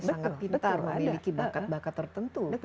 sangat pintar memiliki bakat bakat tertentu